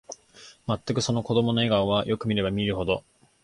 まったく、その子供の笑顔は、よく見れば見るほど、